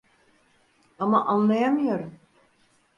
Ama anlayamıyorum.